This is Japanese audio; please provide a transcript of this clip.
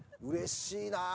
うれしいな。